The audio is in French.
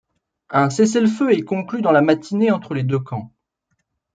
Un cessez-le-feu est conclu dans la matinée entre les deux camps.